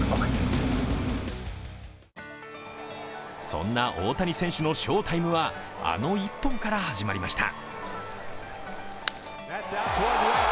そんな大谷選手の翔タイムはあの１本から始まりました。